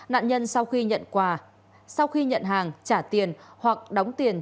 nạn nhân sau khi nhận hàng trả tiền hoặc đóng tiền